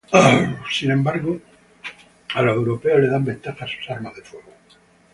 Sin embargo, a los europeos les dan ventaja sus armas de fuego.